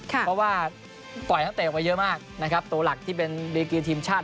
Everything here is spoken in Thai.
เพราะว่าปล่อยนักเตะออกไปเยอะมากนะครับตัวหลักที่เป็นดีกีทีมชาติ